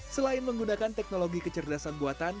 selain menggunakan teknologi kecerdasan buatan